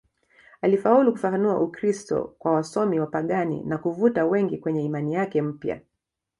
Alifaulu kufafanua Ukristo kwa wasomi wapagani na kuvuta wengi kwenye imani yake mpya.